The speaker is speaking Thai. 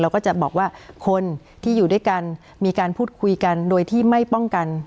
ก็จะบอกว่าคนที่อยู่ด้วยกันมีการพูดคุยกันโดยที่ไม่ป้องกัน